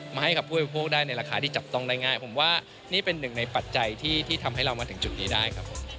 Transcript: ให้กับผู้บริโภคได้ในราคาที่จับต้องได้ง่ายผมว่านี่เป็นหนึ่งในปัจจัยที่ทำให้เรามาถึงจุดนี้ได้ครับผม